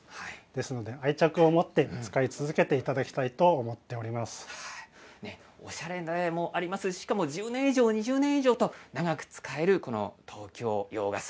ですので、愛着を持って使い続けおしゃれでもありますし、しかも１０年以上、２０年以上と、長く使えるこの東京洋傘。